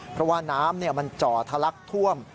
เพราะว่าน้ำมันจ่อทะลักท่วม